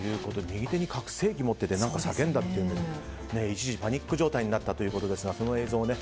右手に拡声器を持っていて何か叫んだというので一時、パニック状態になったということですがその映像